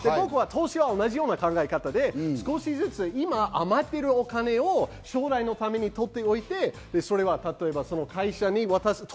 投資は同じような考え方で、少しずつ今余っているお金を将来のためにとっておいて会社に渡す。